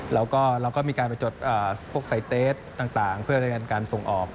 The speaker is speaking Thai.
เราก็มีการไปจดพวกไซเตสต่างเพื่อในการส่งออก